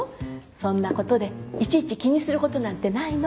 そんな事でいちいち気にする事なんてないの。